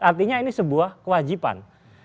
artinya ini sebuah kewajiban